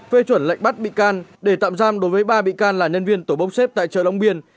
phê chuẩn lệnh bắt bị can để tạm giam đối với ba bị can là nhân viên tổ bốc xếp tại chợ long biên